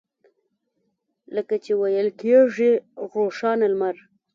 لکه چې ویل کېږي روښانه لمر.